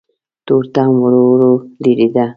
تورتم ورو ورو ډېرېده.